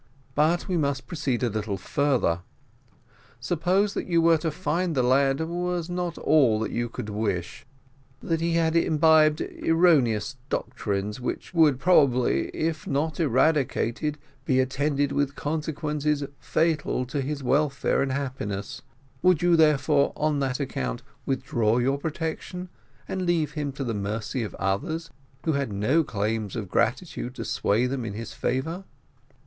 "But we must proceed a little further: suppose that you were to find the lad was not all that you could wish that he had imbibed erroneous doctrines, which would probably, if not eradicated, be attended with consequences fatal to his welfare and happiness, would you therefore, on that account, withdraw your protection, and leave him to the mercy of others, who had no claims of gratitude to sway them in his favour?"